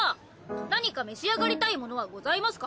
何か召し上がりたいものはございますか？